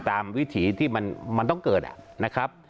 ตามวิธีที่มันต้องเกิดอะนะครับ